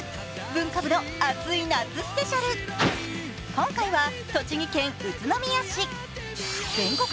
今回は栃木県宇都宮市。